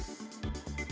ada di meja